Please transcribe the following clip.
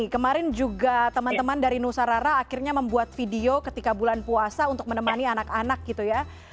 kemarin juga teman teman dari nusa rara akhirnya membuat video ketika bulan puasa untuk menemani anak anak gitu ya